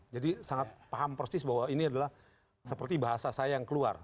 sangat paham persis bahwa ini adalah seperti bahasa saya yang keluar